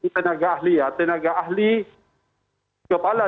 tenaga ahli kepala dan kepala